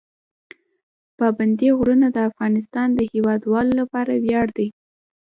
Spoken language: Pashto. پابندی غرونه د افغانستان د هیوادوالو لپاره ویاړ دی.